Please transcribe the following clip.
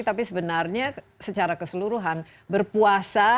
tapi sebenarnya secara keseluruhan berpuasa